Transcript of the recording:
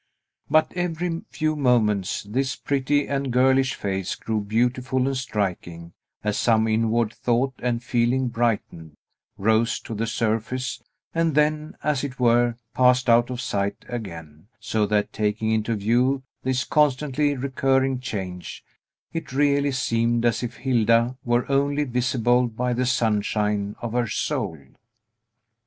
But, every few moments, this pretty and girlish face grew beautiful and striking, as some inward thought and feeling brightened, rose to the surface, and then, as it were, passed out of sight again; so that, taking into view this constantly recurring change, it really seemed as if Hilda were only visible by the sunshine of her soul.